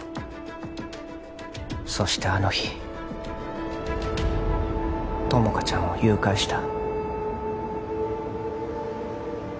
そしてあの日友果ちゃんを誘拐した